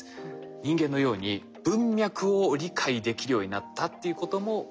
人間のように文脈を理解できるようになったっていうことも大きいんです。